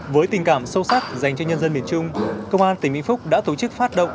với tình cảm sâu sắc dành cho nhân dân miền trung công an tỉnh vĩnh phúc đã tổ chức phát động